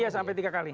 sampai tiga kali